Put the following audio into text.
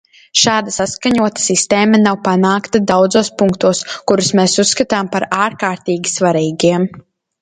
Šāda saskaņota sistēma nav panākta daudzos punktos, kurus mēs uzskatām par ārkārtīgi svarīgiem.